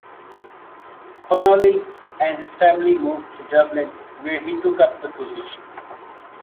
Connolly and his family moved to Dublin, where he took up the position.